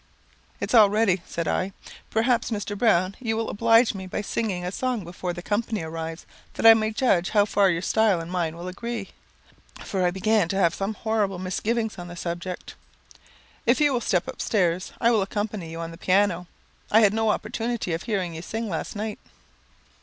"It's all ready," said I. "Perhaps, Mr. Browne, you will oblige me by singing a song before the company arrives, that I may judge how far your style and mine will agree;" for I began to have some horrible misgivings on the subject. "If you will step upstairs, I will accompany you on the piano. I had no opportunity of hearing you sing last night."